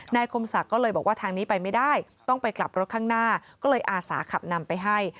คมศักดิ์ก็เลยบอกว่าทางนี้ไปไม่ได้ต้องไปกลับรถข้างหน้าก็เลยอาสาขับนำไปให้